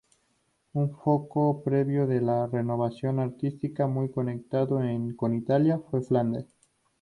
Un foco previo de la renovación artística, muy conectado con Italia, fue Flandes.